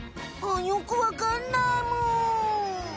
あんよくわかんないむ。